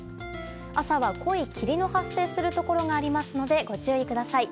朝は濃い霧の発生するところがありますのでご注意ください。